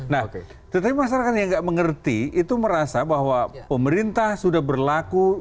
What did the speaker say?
nah tetapi masyarakat yang nggak mengerti itu merasa bahwa pemerintah sudah berlaku